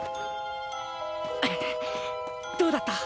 どうだった？